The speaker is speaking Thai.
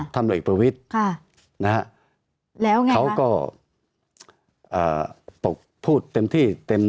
ทำหน่วยประวิทธิ์ค่ะนะฮะแล้วไงเขาก็อ่าพูดเต็มที่เต็ม